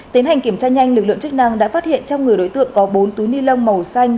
tiến hành kiểm tra nhanh lực lượng chức năng đã phát hiện trong người đối tượng có bốn túi ni lông màu xanh